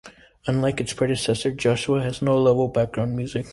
Unlike its predecessor, "Joshua" has no level background music.